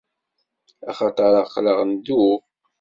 Axaṭer aql-aɣ ndub.